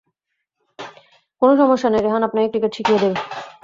কোনো সমস্যা নেই, রেহান আপনাকে ক্রিকেট শিখিয়ে দিবে।